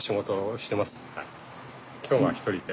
今日は１人で。